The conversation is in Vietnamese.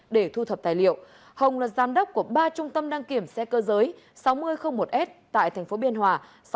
để thu thập tài liệu hồng là giám đốc của ba trung tâm đăng kiểm xe cơ giới sáu nghìn một s tại tp biên hòa